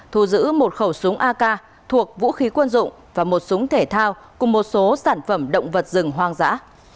thu giữ một khẩu súng ak thuộc vũ khí quân dụng và một súng thể thao cùng một số sản phẩm động vật rừng hoang dã